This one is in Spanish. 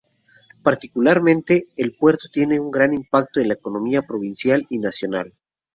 Particularmente, el puerto tiene un gran impacto en la economía provincial y nacional.